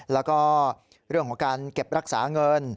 แล้วก็เรื่องของการเก็บรักษาเงิน